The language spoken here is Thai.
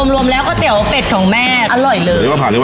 รวมแล้วก๋วยเตี๋ยวเป็ดของแม่อร่อยเลย